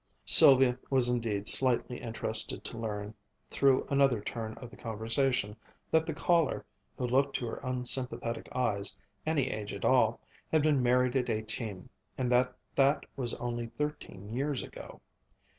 Sylvia was indeed slightly interested to learn through another turn of the conversation that the caller, who looked to her unsympathetic eyes any age at all, had been married at eighteen, and that that was only thirteen years ago.